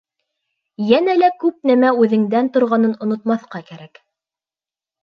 Йәнә лә күп нәмә үҙеңдән торғанын онотмаҫҡа кәрәк.